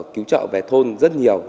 cứu trợ về thôn rất nhiều